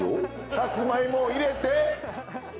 さつまいもを入れて。